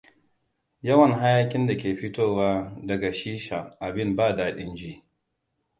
Yawan hayaƙin da ke fitowa daga shisha abin ba daɗin ji.